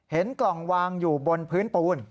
เห็นกล่องวางอยู่บนพื้นปูน